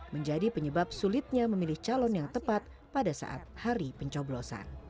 menjadi penyebab sulitnya memilih calon yang tepat pada saat hari pencoblosan